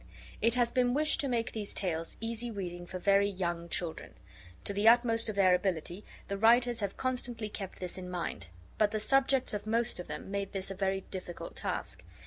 It has been wished to make these Tales easy reading for very young children. To the utmost of their ability the writers have constantly kept this in mind; but the subjects of most of them made this a very difficult task.